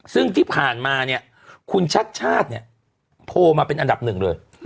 ซึ่งที่ผ่านมาเนี่ยคุณชัดชาติเนี่ยโทรมาเป็นอันดับหนึ่งเลย